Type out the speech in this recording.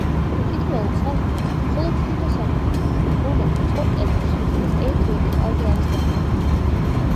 თითოეულ სართულზე მხოლოდ თითო სარკმელია, რომლებიც სწორ კედელში, თითქმის ერთ ვერტიკალზე არის განლაგებული.